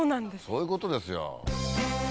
そういうことですよ。